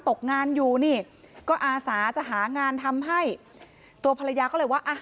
ตกงานอยู่นี่ก็อาสาจะหางานทำให้ตัวภรรยาก็เลยว่าอ่ะ